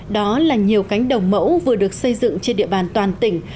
đó là nhiều cánh đồng mẫu vừa được xây dựng trên địa bàn toàn tỉnh